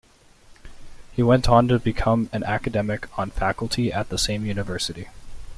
He went on to become an academic on faculty at the same university.